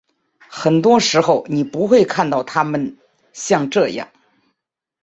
很多时候你不会看到他们像这样。